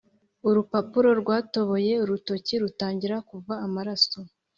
urupapuro rwatoboye urutoki rutangira kuva amaraso.